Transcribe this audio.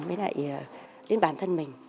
với lại đến bản thân mình